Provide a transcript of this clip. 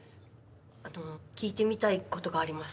あと聞いてみたいことがあります。